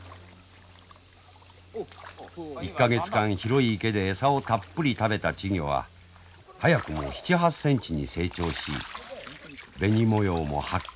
１か月間広い池で餌をたっぷり食べた稚魚は早くも７８センチに成長し紅模様もはっきり見えてきました。